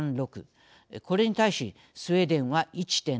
これに対しスウェーデンは１．７